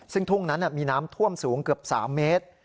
ซึ่งทุ่งนั้นมีน้ำท่วมสูงเกือบ๓เมตร